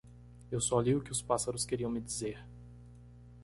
Eu só li o que os pássaros queriam me dizer.